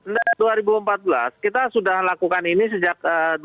nah dua ribu empat belas kita sudah lakukan ini sejak dua ribu delapan belas dua ribu sembilan belas